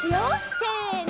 せの！